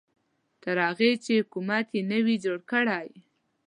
تر هغې چې حکومت یې نه وي جوړ کړی.